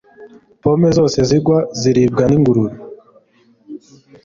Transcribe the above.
Pome zose zigwa ziribwa ningurube.